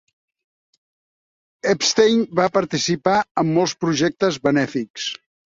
Epstein va participar en molts projectes benèfics.